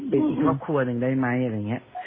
เป็นอีกครอบครัวหนึ่งได้มั้ย